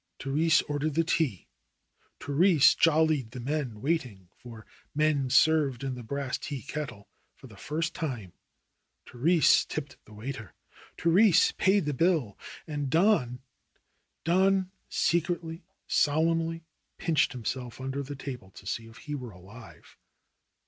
Therese ordered the tea; Therese jollied the men waiting, for men served in the Brass Tea Kettle for the first time; Therese tipped the waiter; Therese paid the bill. And Don Don secretly, solemnly pinched himself under the table to see if he were alive.